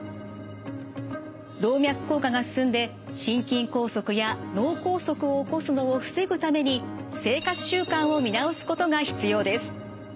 動脈硬化が進んで心筋梗塞や脳梗塞を起こすのを防ぐために生活習慣を見直すことが必要です。